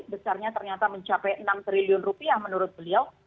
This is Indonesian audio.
besarnya ternyata mencapai enam triliun rupiah menurut beliau